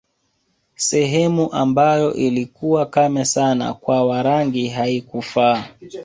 Sehemu ambayo ilikuwa kame sana kwa Warangi haikufaa